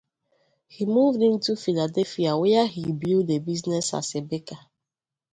He moved into Philadelphia where he built a business as a baker.